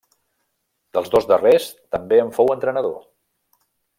Dels dos darrers també en fou entrenador.